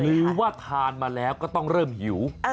หรือว่าทานมาแล้วก็ต้องเริ่มหิว